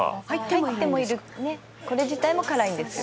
「入ってもいるこれ自体も辛いんですよ」